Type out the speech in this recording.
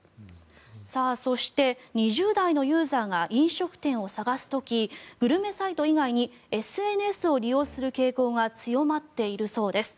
そして２０代のユーザーが飲食店を探す時グルメサイト以外にＳＮＳを利用する傾向が強まっているそうです。